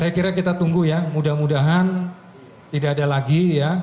saya kira kita tunggu ya mudah mudahan tidak ada lagi ya